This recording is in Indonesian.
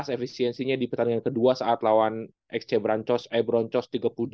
efisiensinya di pertandingan kedua saat lawan xc brancos ebron cos tiga puluh delapan